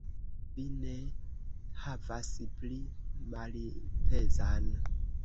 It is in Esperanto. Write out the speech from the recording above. Ĉu vi ne havas pli malpezan?